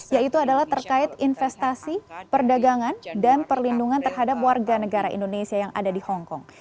yaitu adalah terkait investasi perdagangan dan perlindungan terhadap warga negara indonesia yang ada di hongkong